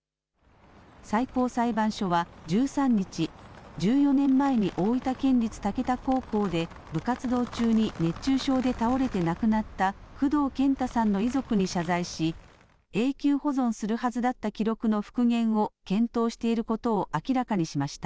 最高裁判所は１３日、１４年前に大分県立竹田高校で、部活動中に熱中症で倒れて亡くなった工藤剣太さんの遺族に謝罪し、永久保存するはずだった記録の復元を検討していることを明らかにしました。